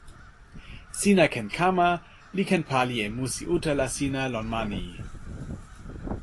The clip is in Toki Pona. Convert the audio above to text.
sina ken kama li ken pali e musi utala sina lon ma ni.